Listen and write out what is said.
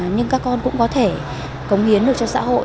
nhưng các con cũng có thể cống hiến được cho xã hội